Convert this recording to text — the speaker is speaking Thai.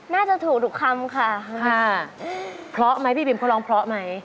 น่าจะถูกทุกคำค่ะค่ะพร้อมไหมพี่บีมคุณลองพร้อมไหม